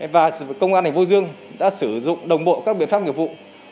và công an hải dương đã sử dụng đồng bộ các biện pháp nghiệp vụ